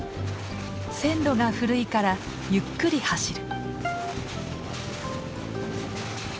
線路が古いからゆっくり走る。